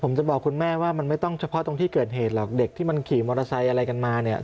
ผมจะบอกคุณแม่ว่ามันไม่ต้องเฉพาะตรงที่เกิดเหตุหรอกเด็กที่มันขี่มอเตอร์ไซค์อะไรกันมาเนี่ย